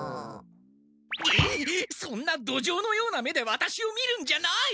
えっそんなどじょうのような目でワタシを見るんじゃない！